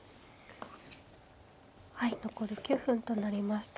はい残り９分となりました。